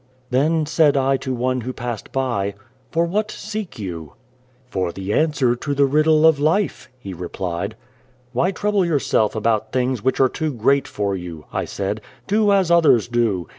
Then said I to one who passed by, " For what seek you?" 191 The Child, the Wise Man " For the answer to the Riddle of Life," he replied. " Why trouble yourself about things which are too great for you ?" I said. " Do as others do.